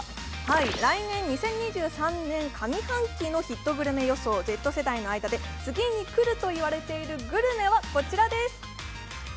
来年、２０２３年上半期のヒットグルメ予想、Ｚ世代の間で次に来ると言われているグルメはこちらです。